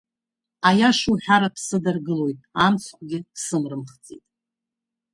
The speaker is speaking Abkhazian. Аиаша уҳәар аԥсы даргылоит, амцхәгьы сымрымхӡеит.